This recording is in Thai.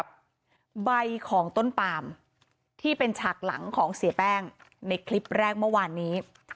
ใบของต้นปามที่เป็นฉากหลังของเสียแป้งในคลิปแรกเมื่อวานนี้